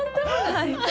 はい。